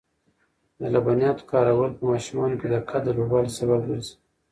د لبنیاتو کارول په ماشومانو کې د قد د لوړوالي سبب ګرځي.